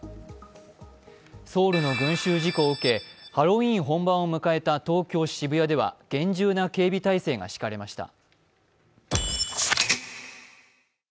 ソウルの群集事故を受けハロウィーン本番を迎えた東京・渋谷では厳重な警備態勢が敷かれました。